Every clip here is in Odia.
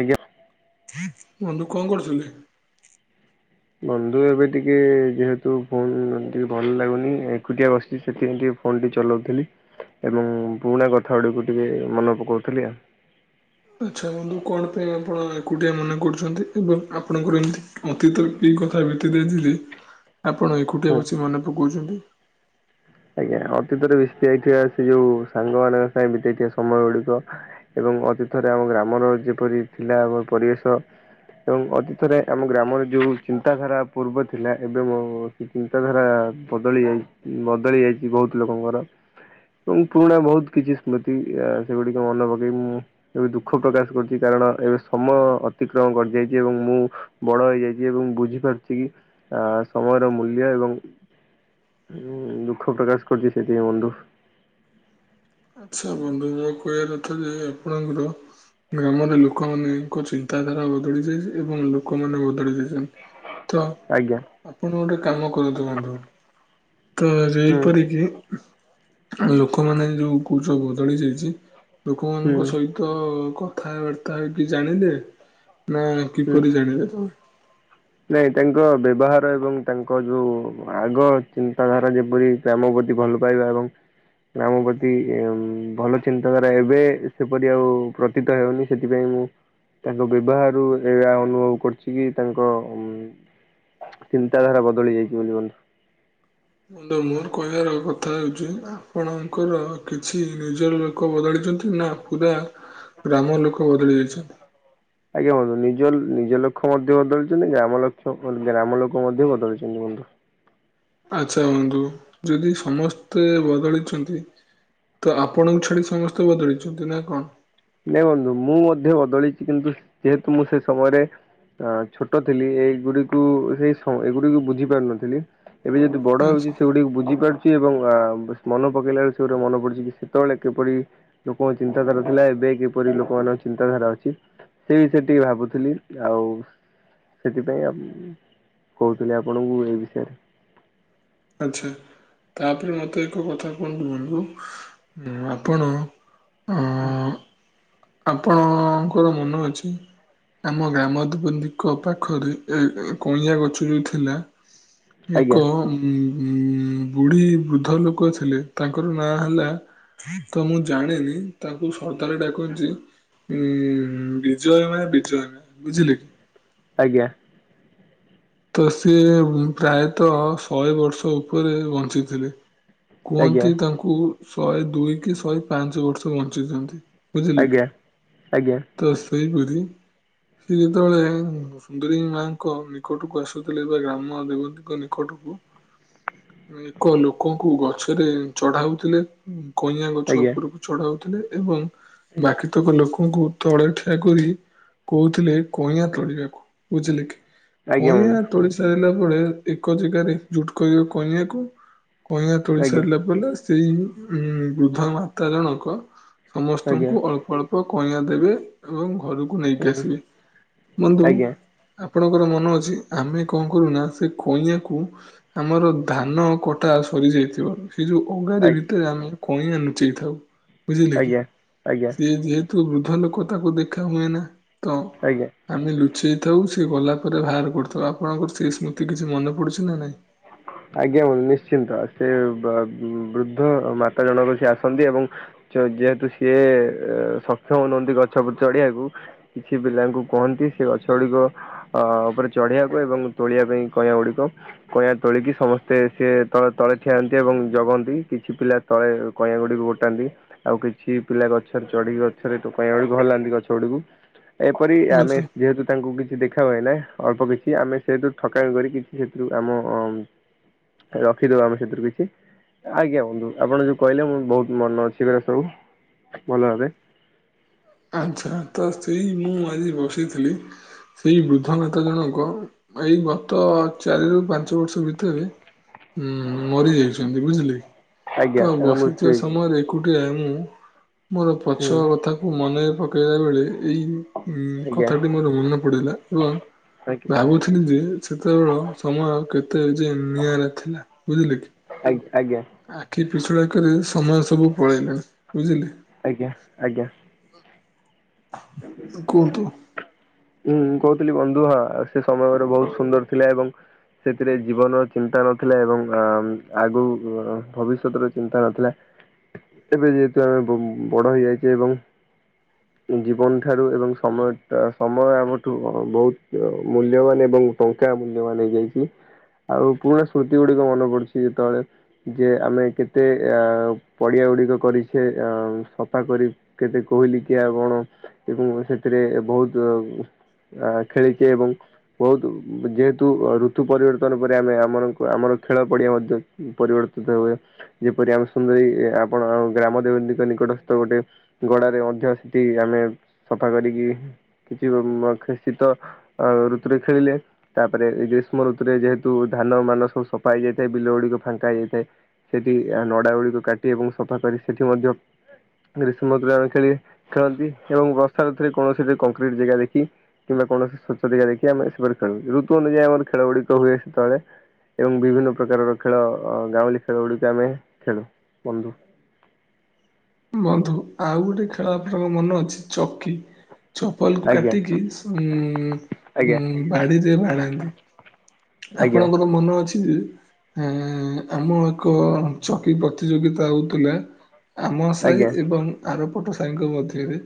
ଆଜ୍ଞା। ବନ୍ଧୁ କଣ କରୁଚୁ। ବନ୍ଧୁ ଏବେ ଟିକେ ଯେହେତୁ ଫୋନ୍ ଟିକେ ଭଲ ଲାଗୁନି ଏକୁଟିଆ ବସଚି ସେଥିପାଇଁ ଟିକେ ଫୋନ ଟି ଚଲୋଉଥିଲି। ଏବଂ ପୁରୁଣା କଥା ଗୁଡ଼ିକୁ ଟିକେ ମନ ପକୋଉଥିଲି ଆଉ। ଆଚ୍ଛା ବନ୍ଧୁ କଣ ପାଇଁ ଆପଣ ଏକୁଟିଆ ମନେ କରୁଚନ୍ତି ଏବଂ ଆପଣଙ୍କର ଏମିତି ଅତୀତରେ କି କ ଥା ବିକି ଦେଇଥିଲି ଆପଣ ଏକୁଟିଆ ହୁଁ। ବସି ମନେ ପକୋଉଚନ୍ତି। ଆଜ୍ଞା ଅତୀତରେ ବିତି ଯାଇଥିବା ସେ ଯୋଉ ସାଙ୍ଗ ମାନଙ୍କ ସାଙ୍ଗେ ବିତେଇଥିବା ସମୟ ଗୁଡିକ ଏବ ଏବଂ ଅତୀତରେ ଆମ ଗ୍ରାମର ଯେପରି ଥିଲା ଆଗ ପରିବେଶ। ଏବଂ ଅତୀତରେ ଆମ ଗ୍ରାମରେ ଯୋଉ ଚିନ୍ତାଧାରା ପୂର୍ବ ଥିଲା ଏବେ ବୋ ସେ ଚିନ୍ତାଧାରା ବ ବଦଳି ଯାଇ ଉ ବଦଳି ଯାଇଚି ବୋହୁତ ଲୋକଙ୍କର। ଏବଂ ପୁରୁଣା ବୋହୁତ କିଛି ସ୍ମୃତି ଏ ସେଗୁଡିକ ମନେ ପକେଇ ମୁଁ ଏବେ ଦୁଃଖ ପ୍ରକାଶ କରୁଚି କାର କାରଣ ଏବେ ସମୟ ଅତିକ୍ରମ କରି ଯାଇଚି ଏବଂ ମୁଁ ବଡ ହେଇଯାଇଚି ଏବଂ ବୁଝିପାରୁଚି କି ଆ ସମୟର ମୂଲ୍ୟ ଏବଂ ଉମ୍ ଦୁଃଖ ପ୍ରକାଶ କରୁଚି ସେଇଥିପାଇଁ ବନ୍ଧୁ। ଆଚ୍ଛା ବନ୍ଧୁ ମୋ କହିବା କଥା ଯେ ଆପଣଙ୍କର ଗ୍ରାମରେ ଲୋକମାନେଙ୍କ ଚିନ୍ତାଧାରା ବଦଳି ଯାଇଚି ଏବଂ ଲୋକମାନେ ବଦଳି ଯାଇଚନ୍ତି। ତ ଆଜ୍ଞା ଆପଣ ଗୋଟେ କାମ କରନ୍ତୁ ବନ୍ଧୁ। ତ ଯେଇ ହୁଁ ପରିକି ଉ ଲୋକମାନେ ବି ଯୋଉ କୋହୁଚ ବଦଳି ଯାଇଚି ହୁଁ ଲୋକମାନଙ୍କ ସହିତ କଥାବାର୍ତ୍ତା ହେଇକି ଜାଣିଲେ ନା ହୁଁ। କିପରି ଜାଣିଲେ ତମେ ନାଇଁ ତାଙ୍କ ବ୍ୟବହାର ଏବଂ ତାଙ୍କ ଯୋଉ ଆଗ ଚିନ୍ତାଧାରା ଯେପରି କାମ ପ ଭଲ ପାଇବା ଏବଂ ଆମ ପ୍ରତି ଭଲ ଚିନ୍ତାଧାରା ଏବେ ସେପରି ଆଉ ପ୍ରତୀତ ହେଉନି ସେଥିପାଇଁ ମୁଁ ତାଙ୍କ ବ୍ୟବହାରରୁ ଏଇ ଅନୁଭବ କରୁଛି କି ତାଙ୍କ ଚିନ୍ତାଧାରା ବଦଳି ଯାଇଛି ବ [unintelligible] ମୁଣ୍ଡ ମୋର କହିବାର କଥା ହେଉଚି ଆପଣଙ୍କର କିଛି ନିଜର ଲୋକ ବଳି [unintelligible] ନା ପୁରା ଗ୍ରାମ ଲୋକ ବଦଳି ଯାଇଛନ୍ତି। ଆଜ୍ଞା ବନ୍ତୁ ନିଜ ନିଜ ଲକ୍ଷ ମଧ୍ୟ ବଦଳିଛନ୍ତି ଗ୍ରାମ ଲକ୍ଷ ଗ୍ରାମ ଲୋକ ମଧ୍ୟ ବଦଳିଛନ୍ତି। ବନ୍ଧୁ। ଆଚ୍ଛା ହୁଅନ୍ତୁ ଯଦି ସମସ୍ତେ ବଦଳିଛନ୍ତି ତ ଆପଣଙ୍କୁ ଛାଡି ସମସ୍ତେ ବଦଳିଛନ୍ତି ନା ନାଇଁ ବନ୍ଧୁ ମୁଁ ମଧ୍ୟ ବଦଳିଛି କିନ୍ତୁ ଯେହେତୁ ମୁଁ ସେ ସମୟରେ ଅ ଛୋଟ ଥିଲି ଏଗୁଡିକୁ ସେଇ ଏଗୁଡିକୁ ବୁଝି ପାରୁନଥିଲି ଏବେ ଯଦି ବଡ ଆଚ୍ଛା ହୋଉଚି ସେଗୁଡିକୁ ବୁଝିପାରୁଚି ଏବଂ ବା ମନ ପକେଇଲା ବେଳେ ସେ ଗୋଟେ ମନ ପଡୁଚି କି ସେତେବେଳେ କିପରି ଲୋକଙ୍କ ଚିନ୍ତାଧାରା ଥିଲା ଏବେ କିପରି ଲୋକମାନଙ୍କ ଚିନ୍ତାଧାରା ଅଛି ସେ ବି ଟିକେ ଭାବୁଥିଲି ଆଉ ସେଥିପାଇଁ ଆପ୍ କହୁଥିଲି ଆପଣଙ୍କୁ ଏଇ ବିଷୟରେ। ଆଚ୍ଛା। ତାପରେ ମତେ ଏକ କଥା କୁହନ୍ତୁ ବନ୍ଧୁ ଉ ଆପଣ ଅ, ଆପଣଙ୍କର ମନ ଅଛି ଆମ ଗ୍ରାମଦେବତୀ ଙ୍କ ପାଖରେ ଏ କଇଁଆ ଗଛ ଯୋଉ ଥିଲା ଏକ ଆଜ୍ଞା ଉ ଉଁ ବୁଢୀ ବୃଦ୍ଧ ଲୋକ ଥିଲେ ତାଙ୍କର ନାଁ ହେଲା ତ ମୁଁ ଜାଣିନି ତାକୁ ସରକାର ଡାକୁ ଉଁ ବିଜୟ ମାୟ ବିଜୟ ବୁଝିଲେ କି? ଆଜ୍ଞା। ତ ସିଏ ପ୍ରାୟତଃ ଶହେ ବର୍ଷ ଉପରେ ବଞ୍ଚିଥିଲେ। ଆଜ୍ଞା କୁହନ୍ତି ତାଙ୍କୁ ଶହେ ଦୁଇ କି ଶହେ ପାଞ୍ଚ ବର୍ଷ ବଞ୍ଚିଚନ୍ତି। ବୁଝିଲେକି ଆଜ୍ଞା। ଆଜ୍ଞା ତ ସେଇ ସେ ଯେତେବେଳେ ସୁନ୍ଦରୀ ମାଙ୍କ ନିକଟକୁ ଆସୁଥିଲେ ବା ଗ୍ରାମ ଦେବତୀଙ୍କ ନିକଟକୁ। ଏକ ଲୋକଙ୍କୁ ଗଛରେ ଚଢାଉଥିଲେ। କଇଁଆ ଗଛ ଆଜ୍ଞା ଉପରକୁ ଚଢାଉଥିଲେ ଏବଂ ବାକିତକ ଲୋକ ଲୋକଙ୍କୁ ତଳେ ଠିଆ କରି କହୁଥିଲେ କଇଁଆଁ ତଳିବାକୁ ବୁଝିଲେ କି। ଆଜ୍ଞା କଇଁଆ ବନ୍ଧୁ ତୋଳି ସାରିଲା ପରେ ଏକ ଜାଗାରେ ଜୁଟ କରିବ କଇଁଆଁକୁ କଇଁଆ ତୋଳି ଆଜ୍ଞା ସାରିଲା ପରେ ସେଇ ଉ ବୃଦ୍ଧ ମାତା ଜଣକ ଆଜ୍ଞା ସମସ୍ତଙ୍କୁ ଅଳ୍ପ ଅଳ୍ପ କଇଆଁ ଦେବେ ଏବଂ ଘରକୁ ନେଇକି ହୁଁ ଆସିବେ, ବନ୍ଧୁ ଆଜ୍ଞା। ଆପଣଙ୍କର ମନ ଅଛ ଆମେ କଣ କରୁନା ସେ କଇଆକୁ ଆମର ଧାନ କଟା ସରିଯାଇଥିବ ସେ ଯୋଉ ଅଗାଡି ଆଜ୍ଞା ଭିତରେ ଆମେ କଇଁଆ ଲୁଚେଇ ଥାଉ। ବୁଝିଲେ କି ଆଜ୍ଞା ଆଜ୍ଞା ସେ ଯେହେତୁ ବୃଦ୍ଧ ଲୋକ ତାକୁ ଦେଖା ହୁଏ ନା ତ ଆଜ୍ଞା ଆମେ ଲୁଚେଇଥାଉ ସେ ଗଲା ପରେ ବାହାର ଗୋଟେ ଥର ଆପଣଙ୍କର ସେଇ ସ୍ମୃତି କିଛି ମନେ ପଡୁଚି ନା ନାଇଁ। ଆଜ୍ଞା ନିଶ୍ଚିନ୍ତ ସେ ବୃଦ୍ଧ ମାତା ଜଣକ ସେ ଆସନ୍ତି ଏବଂ ଯେହେତୁ ସିଏ ସକ୍ଷମ ନୁହନ୍ତି ଗଛ ଚଢିବାକୁ କିଛି ପିଲାଙ୍କୁ କହନ୍ତି ଗଛ ଗୁଡିକ ଅ ଉପରେ ଚଢେଇିବାକୁ ଏବଂ ତୋଳିବା ପାଇଁ କଇଁଆ ଗୁଡିକ କଇଁଆ ତୋଳିକି ସମସ୍ତେ ସେ ତଳେ ତଳେ ଠିଆ ହଅନ୍ତି ଏବଂ ଜଗନ୍ତି କିଛି ପିଲା ତଳେ କଇଁଆ ଗୁଡିକୁ ଗୋଟାନ୍ତି ଆଉ କିଛି ପିଲା ଗଛରେ ଚଢିକି ଗଛରେ ଡାଳ ଗୁଡକୁ ହଲାନ୍ତି ଗଛ ଗୁଡିକୁ ଏପରି ଆଚ୍ଛା ଆମେ ଯେହେତୁ ତାଙ୍କୁ କିଛି ଦେଖା ଗଲା ଅଳ୍ପ କିଛି ଆମେ ସେହେଠୁ ଠକାମି କରି କିଛି ସେଥିରୁ ଆମ ରଖିଦବା ଆମେ ସେଥିରୁ କିଛି। ଆଜ୍ଞା ବନ୍ଧୁ ଆପଣ ଯୋଉ କହିଲେ ମୁଁ ବହୁତ ମନ ଅଛି ଏରା ସବୁ। ନୂଆଁ ଏବେ। ଆଚ୍ଛା ତ ସେଇ ମୁଁ ଆଜି ବସିଥିଲି ସେଇ ବୃଦ୍ଧ ନେତା ଜଣକ ଏଇ ଗତ ଚାରିରୁୁ ପାଞ୍ଚ ବର୍ଷ ଭିତରେ। ଉଁ ମରିଯାଇଛନ୍ତି ବୁଝିଲେ। ଆଜ୍ଞା ତ ତାର ମୃତ୍ୟୁ ବସିଥିବା ହେଇଯାଇଛି ସମୟରେ ଏକୁଟିଆ ମୁଁ କୁ ମୋର ହୁଁ ପଛୁ କଥାକୁ ମନେ ପକେଇଲା ବେଳେ ଏଇ ଉଁ ଆଜ୍ଞା। କଥାଟି ମୋର ମନେ ପଡିଲା ଓ ଆଜ୍ଞା ଭାବୁଥିଲି ଯେ ସେତେବେଳ ସମୟ କେତେ ଯେ ନିଆ ଥିଲା ବୁଝିଲେ। କି? ଆଜ୍ଞା। ଆଜ୍ଞା ଆଖି ପିଛୁଳାକେରେ ସମୟ ସବୁ ପଳେଇଲା ବୁଝିଲେ। ଆଜ୍ଞା। ଆଜ୍ଞା। କୁହନ୍ତୁ? ହୁଁ ମୁଁ କହୁଥିଲି ବନ୍ଧୁ ହଁ ସେ ସମୟରେ ବହୁତ ସୁନ୍ଦର ଥିଲା ଏବଂ ସେଥିରେ ଜୀବନର ଚିନ୍ତା ନଥିଲା ଏବଂ ଅ ଆଗକୁ ଭବିଷ୍ୟତର ଚିନ୍ତା ନଥିଲା। ଏବେ ଯେହେତୁ ଆମେ ବ ବ ବଡ ହେଇଯାଇଛେ ଏବଂ ଜୀବନ ଠାରୁ ଏବଂ ସମୟ ସମୟ ଆମଠୁ ବହୁତ ମୂଲ୍ୟବାନ ଏବଂ ଟଙ୍କା ସେଇଟା ମୂଲ୍ୟବାନ ହେଇ ଯାଇଛି। ଆଉ ପୁରୁଣା ସ୍ମୃତି ଗୁଡିକ ମନେ ପଡୁଛି ଯେତେବେଳେ ଯେ ଆମେ କେତେ ଅ ପଡିଆ ଗୁଡିକ କରିଛେ ଆ ସଫା କରି କେତେ କୋଇଲି କିଆ କଣ? ଏବଂ ସେଥିରେ ବହୁତ ଆ ଖେଳିଛେ ଏବଂ ବହୁତୁ ଯେହେତୁ ଋତୁ ପରିବର୍ତ୍ତନ ପରେ ଆମେ ଆମ ଆମର ଖେଳ ପଡିଆ ମଧ୍ୟ ପରିବର୍ତ୍ତନ ପ୍ରସ୍ତୁତ ହୁଏ। ଯେପରି ଆମେ ସୁନ୍ଦରୀ ଆପଣ ଗ୍ରାମ ଦେବୀଙ୍କ ନିକଟସ୍ଥ ଗୋଟେ ଗଡାରେ ମଧ୍ୟ ସେଠି ଆମେ ସଫା କରିକି କିଛି ମ ଶୀତ ଋତୁରେ ଖେଳିଲେ। ତାପରେ ଏ ଯୋଉ ଗ୍ରୀଷ୍ମ ଋତୁରେ ଯେହେତୁ ଧାନ ମାନ ସବୁ ସଫା ହେଇଯାଇଥାଏ ବିଲ ଗୁଡ଼ିକ ଫାଙ୍କା ହେଇ ଯାଇଥାଏ। ସେଠି ଆ ନଡା ଗୁଡିକୁ କାଟି ଏବଂ ସଫା କରି ସେଠି ମଧ୍ୟ ଗ୍ରୀଷ୍ମ [unintelligible] ଖେଳନ୍ତି ଏବଂ ବର୍ଷାରୂତୁରେ କୌଣସି ଯେ କଂକ୍ରିଟ ଜେଗା ଦେଖି କିମ୍ବା କୌଣସି ସ୍ୱଚ୍ଛ ଜେଗା ଦେଖି ଆମେ ସେପଟ ଖେଳନ୍ତି। ଋତୁ ଅନୁଯାୟୀ ଆମର ଖେଳ ଗୁଡିକ ହୁଏ ସେତେବେଳେ। ଏବଂ ବିଭିନ୍ନ ପ୍ରକାରର ଖେଳ ଗାଁଉଲି ଖେଳ ଗୁଡିକ ଆମେ ଖେଳୁ ବନ୍ଧୁ। ବନ୍ଧୁ ଆଉ ଗୋଟେ ଖେଳ ଆପଣଙ୍କ ମନ ଅଛି ଚକି? ଚପଲ କୁ ଆଜ୍ଞା କାଟିକି ଉଁ ଆଜ୍ଞା ଉମ ବାଡିରେ ବାଡ଼ାନ୍ତି? ଆଜ୍ଞା ଆପଣଙ୍କର ମନ ଅଛି ଆ ଆମ ଏକ ଚକି ପ୍ରତିଯୋଗିତା ହଉଥିଲା। ଆମ ପାଳି ଆଜ୍ଞା ଏବଂ ଆର ପଟ ସାଙ୍ଗ ମଧ୍ୟରେ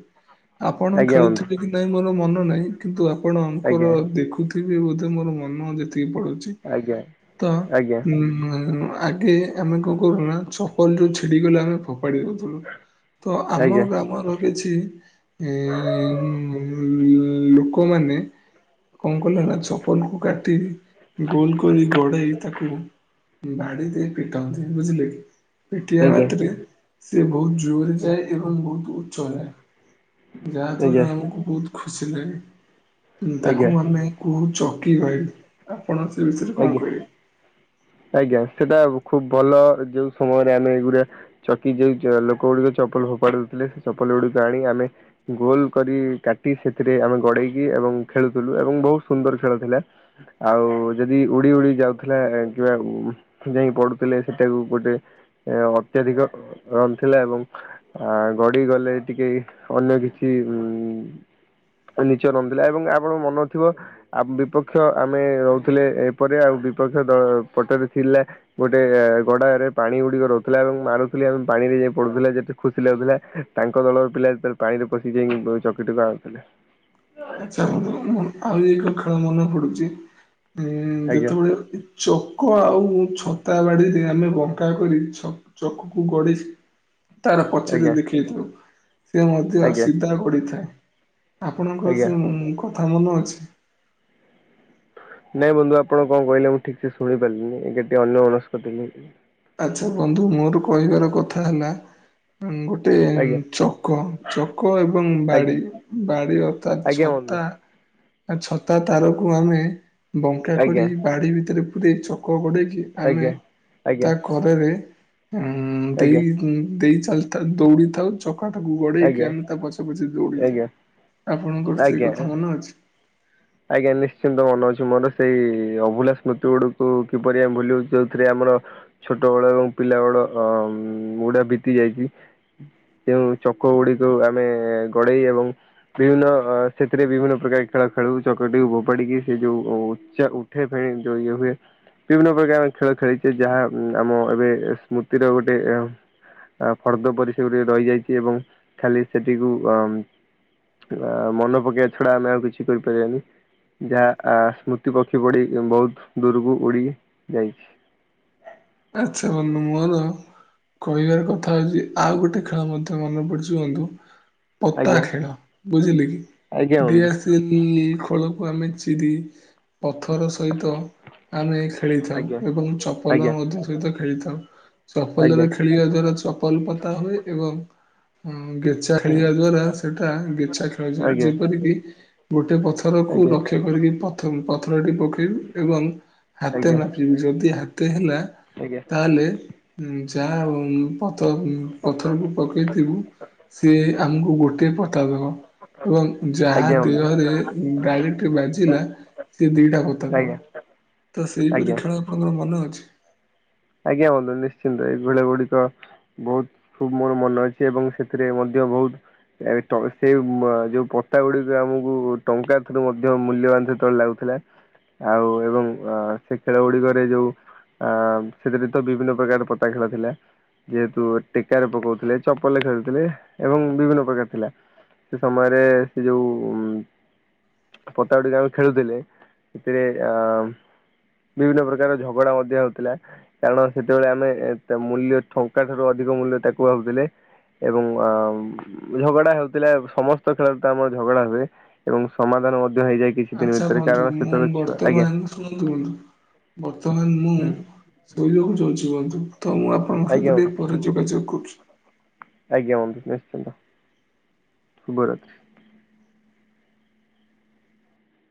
ଆପଣ ଆଜ୍ଞା ବନ୍ଧୁ ଖେଳୁଥିବେ କି ନାହିଁ ମୋର ମନ ନାହିଁ କିନ୍ତୁ ଆପଣଙ୍କର ଆଜ୍ଞା ଦେଖୁଥିବି ବୋଧେ ମୋର ମନ ଯେ ଠିକ୍ ପଡୁଛି ଆଜ୍ଞା ତ ଆଜ୍ଞା ଉମ୍ ଆଗେ ଆମେ କଣ କରୁନା ଚପଲ ଯୋଉ ଛିଡ଼ିଗଲେ ଆମେ ଫୋପାଡ଼ି ଦଉଥିଲୁ। ତ ଆମ ଆଜ୍ଞା ଗ୍ରାମର କିଛି। ଇ ଉ ଉମ୍ ଲୋକମାନେ କଣ କଲେ ନା ଛପଲ କୁ କାଟି କାଟି ଗୋଲ କରି ଗଡ଼େଇ ତାକୁ ବାଡି ଦେଇ ପିଟନ୍ତି ବୁଝିଲେ। ପିଟିିବା ଆଜ୍ଞା ମାତ୍ରେ ସେ ବହୁତ ଜୋରେ ଯାଏ ଏବଂ ବହୁତ ଉଚ୍ଚ ଯାଏ। ଯାହା ଆଜ୍ଞା ଦ୍ଵାରା ଆମକୁ ବହୁତ ଖୁସି ଲାଗେ। ଆଜ୍ଞା ତାକୁ ଆମେ କୁହୁ ଚୌକି ଭାଇ। ଆଜ୍ଞା। ଆଜ୍ଞା। ସେଇଟା ଖୁବ୍ ଭଲ ଯୋଉ ସମୟରେ ଆମେ ଏଗୁଡ଼ା ଚକି ଯେଉଁ ଲୋକ ଗୁଡ଼ିକ ଚପଲ ଫୋପାଡ଼ିଦେଉଥିଲେ। ସେ ଚପଲ ଡିକ ଆଣି ଆମେ ଗୋଲ କରି କାଟି ସେଥିରେ ଆମେ ଗଡେଇକି ଏବଂ ଖେଳୁଥିଲୁ ଏବଂ ବହୁତ ସୁନ୍ଦର ଖେଳ ଥିଲା ଆଉ ଯଦି ଉଡି ଉଡି ଯାଉଥିଲା କିମ୍ବା ଯାଇ ପଢୁଥିଲେ ସେଟାକୁ ଗୋଟେ ଅତ୍ୟଧିକ ରନ୍ଥିଲା ଏବଂ ଆ ଗଡିଗଲେ ଟିକେ ଅନ୍ୟ କିଛି। [unintelligible] [unintelligible] ଏବଂ ଆପଣଙ୍କ ମନ ଥିବ ବିପକ୍ଷ ଆମେ ଥିଲେ ଏପଟେ ଆଉ ବିପକ୍ଷ ଦଳ ପଟରେ ଥିଲା ଗୋଟେ ଗଡା ରେ ପାଣି ଗୁଡିକ ରହୁଥିଲା ମାରୁଥିଲି ଆମ ପାଣିରେ ଯାଇ ପଡୁଥିଲା ଯେତେ ଖୁସି ଲାଗୁଥିଲା, ତାଙ୍କ ଦଳର ପିଲା ଯେତେବେଳେ ପାଣିରେ ପଶି ଯାଇକି [unintelligible] ଆାଉଥିଲେ। ଆଛା ବନ୍ଧୁ ଆଉ ଏକ ଖେଳ ମନେ ପଡୁଚି ଉଁ ଆଜ୍ଞା ଯେତେବେଳେ ଚକ ଆଉ ଛତା ବାଡିରେ ଆମେ ବଙ୍କା କରି ଛ ଚକକୁ ଗଡେଇ ତାର ପଚେରେ ଆଜ୍ଞା ଦେଖେଇଥାଉ ସେ ମଧ୍ୟ ଆଜ୍ଞା ସିଧା ଗଡିଥାଏ। ଆପଣଙ୍କର ଆଜ୍ଞା ସେଉ କଥା ମନେ ଅଛି। ନାଇଁ ବନ୍ଧୁ ଆପଣ କଣ କହିଲେ ମୁଁ ଠିକ୍ ସେ ଶୁଣି ପାରିଲିନି। ଏବେ ଟିକେ ଅନ୍ୟମନସ୍କ ଥିଲି। ଆଚ୍ଛା ବନ୍ଧୁ ମୋର କହିବାର କଥା ହେଲା ଗୋଟେ ଆଜ୍ଞା ଚକ ଚକ ଏବଂ ବାଡ଼ି ଆଜ୍ଞା ବାଡ଼ିର ତା ଆଜ୍ଞା ବନ୍ଧୁ ଛତା ଛତା ତାରକୁ ଆମେ ବଙ୍କା ଆଜ୍ଞା କରି ବାଡି ଭିତରେ ପୁରେଇ ଚକ ଗଡେଇକି ଆମେ ଆଜ୍ଞା ଆଜ୍ଞା ତା କରେରେ ଉଁ ଆଜ୍ଞା ଦେଇ ଆଜ୍ଞା ଦେଇ ଚାଲିଥାଉ ଦୌଡ଼ିଥାଉ। ଚକ ଟାକୁ ଗଡେଇକି ଆମେ ତା ପଛ ପଛେ ଦୌଡିଥାଉ। ଆଜ୍ଞା ଆପଣଙ୍କର ସେ ଆଜ୍ଞା କଥା ମନେ ଅଛି। ଆଜ୍ଞା, ନିଶ୍ଚିନ୍ତ ମନେ ଅଛି ମୋର ସେଇ ଅଭୁଲା ସ୍ମୃତି ଗୁଡକୁ କିପରି ଆମେ ଭୁଲିବୁ ଯୋଉଥିରେ ଆମର ଛୋଟ ବେଳ ଏବଂ ପିଲା ବେଳ ଗୁଡା ବିତି ଯାଇଚି। ତେଣୁ ଚକ ଗୁଡିକୁ ଆମେ ଗଡ଼େଇ ଏବଂ ବିଭିନ୍ନ ସେଥିରେ ବିଭିନ୍ନ ପ୍ରକାର ଖେଳ ଖେଳୁ। ଚକଟିକୁ ଫୋପାଡ଼ିକି ସେ ଯୋଉ ଉଠେ ଇଏ ହୁଏ ବିଭିନ୍ନ ପ୍ରକାର ଖେଳ ଖେଳିଚେ ଯାହା ଆମ ଏବେ ସ୍ମୃତିର ଗୋଟେ ଫର୍ଦ୍ଦ ପରି ସେଗୁଡ଼ିକ ରହିଯାଇଚି ଏବଂ ଖାଲି ସେଠିକୁ ଅ ଆ ମନେ ପକେଇବା ଛଡା ଆମେ ଆଉ କିଛି କରିପାରିବାନି। ଯାହା ସ୍ମୃତି ପକ୍ଷୀ ପଡି ବହୁତ ଦୂରକୁ ଉଡି ଯାଇଛି। ଆଚ୍ଛା ବନ୍ଧୁ ମୋର କହିବାର କଥା ହଉଚି ଆଉ ଗୋଟେ ଖେଳ ମଧ୍ୟ ମନେ ପଡୁଚି ବନ୍ଧୁ। ପତା ଆଜ୍ଞା ଖେଳ ବୁଝିଲେ କି ଆଜ୍ଞା ବନ୍ଧୁ ଦିଆସିଲି ଖୋଳ କୁ ଆମେ ଚିରି ପଥର ସହିତ ଆମେ ଖେଳିଥାଉ। ଆଜ୍ଞା। ଏବଂ ଚପଲ ଆଜ୍ଞା ମଧ୍ୟ ସହିତ ଖେଳିଥାଉ। ଚପଲରେ ଆଜ୍ଞା ଖେଳିବା ଦ୍ଵାରା ଚପଲ ପତା ହୁଏ ଏବଂ ଗେଚା ଆଜ୍ଞା ଖେଳିବା ଦ୍ଵାରା ସେଇଟା ଗେଚା ଖେଳାଯାଏ। ଆଜ୍ଞା ଯେପରିକି ଗୋଟେ ଗୋଟେ ପଥରକୁ ଆଜ୍ଞା ଲକ୍ଷ୍ୟ କରିକି ପ ପଥରଟି ପକେଇବୁ ଏବଂ ହାତେ ଆଜ୍ଞା ମାପିବି ଯଦି ହାତେ ହେଲା ତାହେଲେ ଯାହା ପଥରକୁ ପକେଇଥିବୁ ସିଏ ଆମକୁ ଗୋଟିଏ ପତା ଦବ। ଏବଂ ଆଜ୍ଞା ଯାହା ଆଜ୍ଞା ବନ୍ଧୁ ଦେହରେ ଡାଇରେକ୍ଟ ବାଜିଲା ସିଏ ଦିଟା ପତା ଦବ। ଆଜ୍ଞା ତ ସେଇପରି ଆଜ୍ଞା। ଖେଳ ଆପଣଙ୍କର ମନେ ଅଛି? ଆଜ୍ଞା ବନ୍ଧୁ ନିଶ୍ଚିନ୍ତ ଏଇ ଗୁଳିଆ ଗୁଡିକ ବହୁତ ମୋର ମନେ ଅଛି ଏବଂ ସେଥିରେ ମଧ୍ୟ ବହୁତ ଟ ସେଇ ଯୋଉ ପତା ଗୁଡିକ ଆମକୁ ଟଙ୍କା ଠାରୁ ମଧ୍ୟ ମୂଲ୍ୟବାନ ସେତେବେଳେ ଲାଗୁଥିଲା। ଆଉ ଏବଂ ସେ ଖେଳ ଗୁଡିକରେ ଯୋଉ ଅ ସେଥିରେ ତ ବିଭିନ୍ନ ପ୍ରକାର ପତା ଖେଳ ଥିଲା। ଯେହେତୁ ଟେକାରେ ପକଉଥିଲେ ଚପଲ ରେ ଖେଳୁଥିଲେ। ଏବଂ ବିଭିନ୍ନ ପ୍ରକାର ଥିଲା। ସେ ସମୟରେ ସେ ଯୋଉ ପତା ଗୁଡ଼ିକ ଆମେ ଖେଳୁଥିଲେ, ସେ ଆଁ ବିଭିନ୍ନ ପ୍ରକାର ଝଗଡା ମଧ୍ୟ ହେଉଥିଲା। କାରଣ ସେତେବେଳେ ଆମେ ମୂଲ୍ୟ ଟଙ୍କା ଠାରୁ ଅଧିକ ମୂଲ୍ୟ ତାକୁ ଭାବୁଥିଲେ। ଏବଂ ଅ ଝଗଡା ହେଉଥିଲା ସମସ୍ତ ଖେଳରେ ତ ଆମର ଝଗଡା ହୁଏ। ଏବଂ ସମାଧାନ ମଧ୍ୟ ହେଇଯାଏ କିଛି ଦିନ ଆଚ୍ଛା ଭିତରେ ବନ୍ଧୁ କାରଣ ମୁଁ ସେତେବେଳେ ଛୁଆ ଆଜ୍ଞା। ବର୍ତ୍ତମାନ ଶୁଣନ୍ତୁ ଶୁଣନ୍ତୁ ବର୍ତ୍ତମାନ ମୁଁ ଶୋଇବାକୁ ଯାଉଚି ବନ୍ଧୁ। ତ ମୁଁ ଆପଣଙ୍କ ଆଜ୍ଞା ସହିତ ବନ୍ଧୁ ଟିକେ ପରେ ଯୋଗାଯୋଗ କରୁଚି। ଆଜ୍ଞା ବନ୍ଧୁ ନିଶ୍ଚିନ୍ତ। ଶୁଭ ରାତ୍ରୀ।